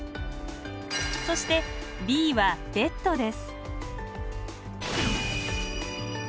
そして「Ｂ」はベッドです。